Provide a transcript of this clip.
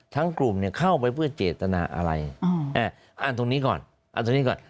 กลุ่มเนี่ยเข้าไปเพื่อเจตนาอะไรอ่านตรงนี้ก่อนอ่านตรงนี้ก่อน